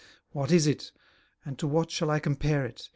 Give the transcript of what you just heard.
What is it? And to what shall I compare it?